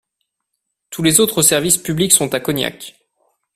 Tous les autres services publics sont à Cognac.